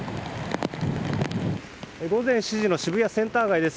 午前７時の渋谷センター街です。